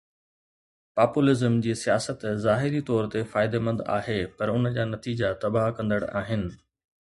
Populism جي سياست ظاهري طور تي فائديمند آهي پر ان جا نتيجا تباهه ڪندڙ آهن.